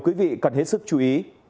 quý vị cần hết sức chú ý